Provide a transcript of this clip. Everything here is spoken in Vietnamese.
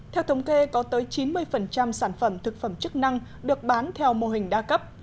theo thống kê có tới chín mươi sản phẩm thực phẩm chức năng được bán theo mô hình đa cấp